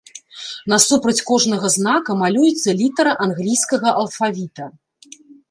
Насупраць кожнага знака малюецца літара англійскага алфавіта.